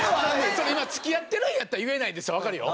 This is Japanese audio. それ今付き合ってるんやったら「言えないです」はわかるよ。